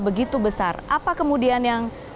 begitu besar apa kemudian yang